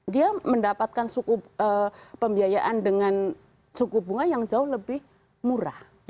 dia mendapatkan suku pembiayaan dengan suku bunga yang jauh lebih murah